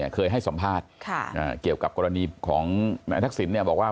เคยให้สัมภาษณ์เกี่ยวกับกรณีของนายทักษิณบอกว่า